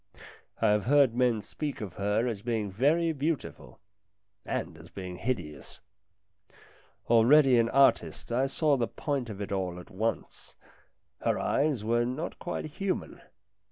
I have heard men speak of her as being very beautiful and as being hideous. Already an artist, I saw the point of it all at once : her eyes were not quite human.